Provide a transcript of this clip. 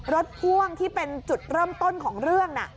พ่วงที่เป็นจุดเริ่มต้นของเรื่องน่ะ